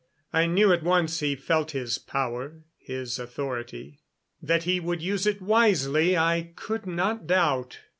I knew at once he felt his power, his authority. That he would use it wisely I could not doubt.